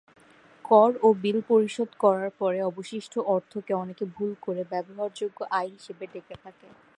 কর ও বিল পরিশোধ করার পরে অবশিষ্ট অর্থকে অনেকে ভুল করে ব্যবহারযোগ্য আয় হিসেবে ডেকে থাকে।